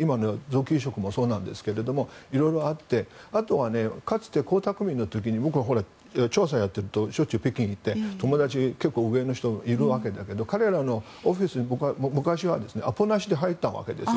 今の臓器移植もそうですがいろいろあってあとは、かつて江沢民の時に僕は調査やってるとしょっちゅう北京に行って友達が結構上の人がいるわけだけど彼らのオフィスに昔はアポなしで入れたわけですよ。